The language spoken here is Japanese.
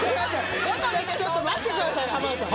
ちょっと待ってください浜田さん。